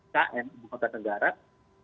km bukau ketegaraan